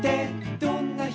どんな人？」